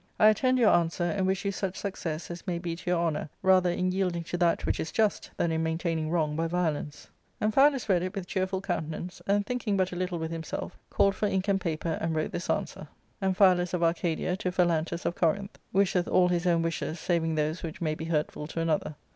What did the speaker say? I attend your answer, and wish you such success as may be to your honour, rather in yielding to that which is just, than in maintaining wrong by violence. Amphialus read it with cheerful countenance, and, thinking but a little with himself, called for ink and paper, and wrote this answer :— ARCADIA. ^Book IIL 289 " Amphialus of Arcadia, to Phalantus of Corinth, wisheth all his own wishes, saving those which may be hurtful to another.